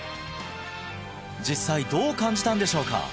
実際どう感じたんでしょうか？